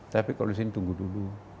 tapi kalau di sini tunggu dulu